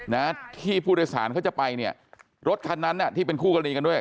นะที่ผู้โดยสารเขาจะไปเนี่ยรถคันนั้นอ่ะที่เป็นคู่กรณีกันด้วย